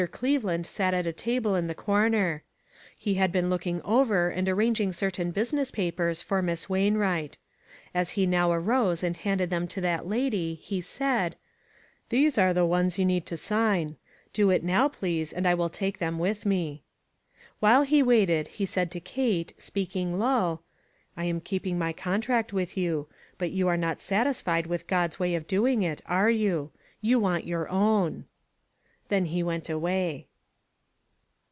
Cleveland sat at a table in the corner. He had been looking over and arranging certain business papers for Miss Wainwright. As he now arose and handed them to that lady he said :" These are the ones you need to sign ; do it now, please, and I will take them with me." While he waited, he said to Kate, speak ing low :" I am keeping my contract with you. But you are not satisfied with God's way of doing it, are you? You want your own." Then he went awav.